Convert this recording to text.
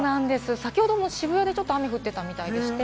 先ほども渋谷でちょっと雨が降ってたみたいでした。